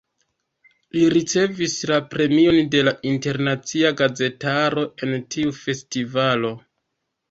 Li ricevis la premion de la internacia gazetaro en tiu festivalo.